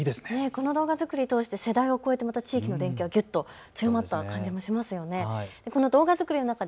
この動画作りを通して世代を超えてまた地域の連携がぎゅっと詰まった感じもしますよね。